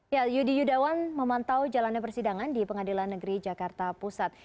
ya yudi yudawan memantau jalannya persidangan di pengadilan negeri jakarta pusat